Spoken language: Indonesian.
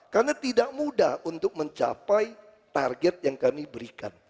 karena tidak mudah untuk mencapai target yang kami berikan